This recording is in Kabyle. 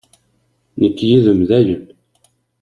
Nekk yid-m, dayen!